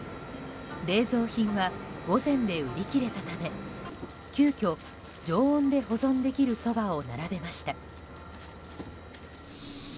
冷蔵品は午前で売り切れたため急きょ常温で保存できるそばを並べました。